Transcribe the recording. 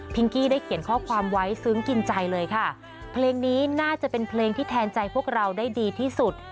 กี้ได้เขียนข้อความไว้ซึ้งกินใจเลยค่ะเพลงนี้น่าจะเป็นเพลงที่แทนใจพวกเราได้ดีที่สุด